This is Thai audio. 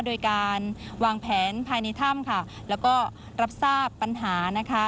โดยการวางแผนภายในถ้ำค่ะแล้วก็รับทราบปัญหานะคะ